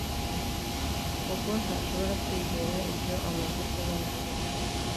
Bobo ntashobora kwizera ibyo amaze kubona